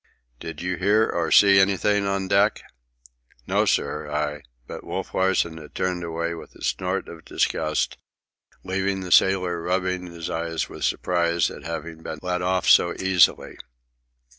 "Did you hear or see anything on deck?" "No, sir, I—" But Wolf Larsen had turned away with a snort of disgust, leaving the sailor rubbing his eyes with surprise at having been let off so easily.